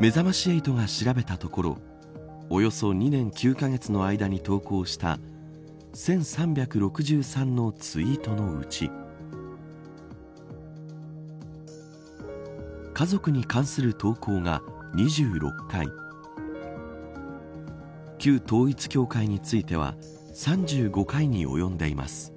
めざまし８が調べたところおよそ２年９カ月の間に投稿した１３６３のツイートのうち家族に関する投稿が２６回旧統一教会については３５回におよんでいます。